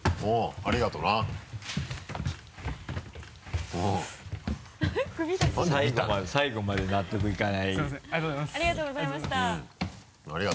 ありがとうな。